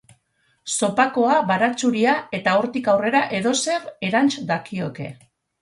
Zopakoa, baratzuria eta hortik aurrera edozer erants dakioke.